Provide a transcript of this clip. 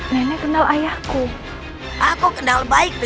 nenek kamu harus berhenti